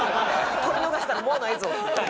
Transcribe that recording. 「これ逃したらもうないぞ」。